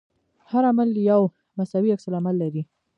هر عمل یو مساوي عکس العمل لري.